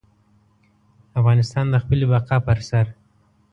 افغانستان د خپلې بقا پر سر.